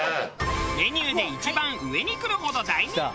メニューで一番上にくるほど大人気！